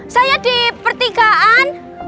saya di pertigaan